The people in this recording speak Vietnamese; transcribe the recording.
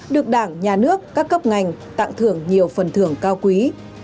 được đảng nhà nước các cấp ngành tặng thưởng nhiều phần thưởng cao quý